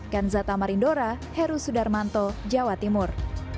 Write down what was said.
kan zatamar indora heru sudarmanto jawa timur